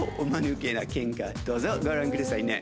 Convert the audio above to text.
どうぞご覧くださいね。